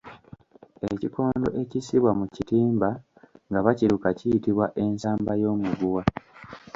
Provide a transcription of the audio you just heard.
Ekikondo ekissibwa mu kitimba nga bakiruka kiyitibwa ensamba y’omugwa.